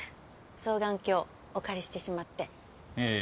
双眼鏡お借りしてしまっていえいえ